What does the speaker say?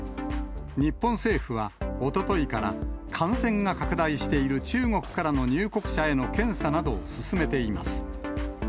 日本政府は、おとといから感染が拡大している中国からの入国者への検査などを進めています。